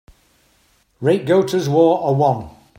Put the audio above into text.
Rate Gota's War a one